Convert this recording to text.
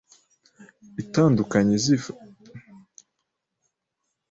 itandukanye azifashisha mu gihe aza arimo gukora iyimenyerezamwuga